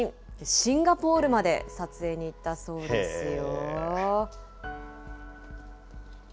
シンガポールまで撮影に行ったそうですよ。